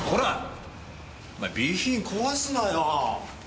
お前備品壊すなよ。